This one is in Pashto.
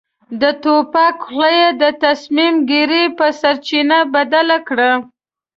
د توپک خوله يې د تصميم ګيرۍ په سرچينه بدله کړه.